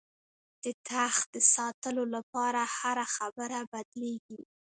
د تخت د ساتلو لپاره هره خبره بدلېږي.